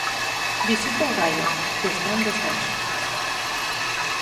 Visita o Raio que está en descenso.